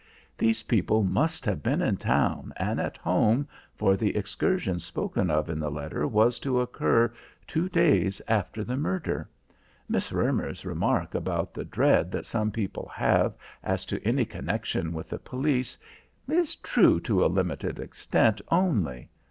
These people must have been in town and at home, for the excursion spoken of in the letter was to occur two days after the murder. Miss Roemer's remark about the dread that some people have as to any connection with the police, is true to a limited extent only.